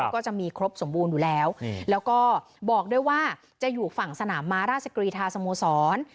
ก็จะมีครบสมบูรณ์อยู่แล้วแล้วก็บอกด้วยว่าจะอยู่ฝั่งสนามม้าราชกรีธาสโมสร